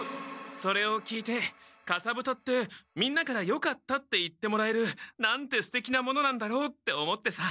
それを聞いてかさぶたってみんなから「よかった」って言ってもらえるなんてすてきなものなんだろうって思ってさ。